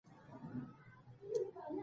د پوهې ډېوه باید بلنده وساتو.